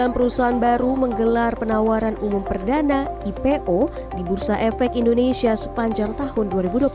enam perusahaan baru menggelar penawaran umum perdana ipo di bursa efek indonesia sepanjang tahun dua ribu dua puluh satu